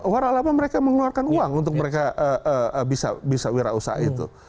warah labah mereka mengeluarkan uang untuk mereka bisa wirausaha itu